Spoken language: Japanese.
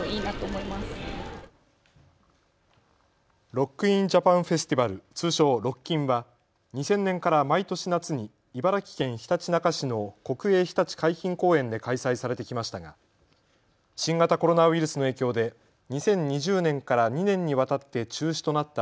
ロック・イン・ジャパン・フェスティバル、通称、ロッキンは２０００年から毎年夏に茨城県ひたちなか市の国営ひたち海浜公園で開催されてきましたが新型コロナウイルスの影響で２０２０年から２年にわたって中止となった